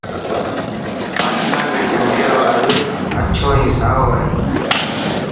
پاڪستان ري جهنڊي رو رنگ اڇو ۽ سائو هي.